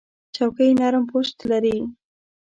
چوکۍ نرم پُشت لري.